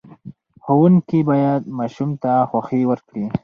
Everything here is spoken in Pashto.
ښوونکي باید ماشوم ته خوښۍ ورکړي.